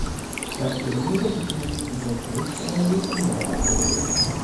Das Gemälde befindet sich in der Tate Gallery in London.